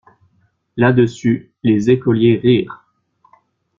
Là-dessus, les écoliers rirent.